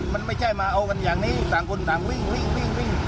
มันไม่ใช่มาเอากันอย่างนี้ต่างคนต่างวิ่งวิ่งวิ่ง